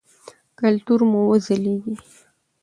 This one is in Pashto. کلتور مو وځلیږي.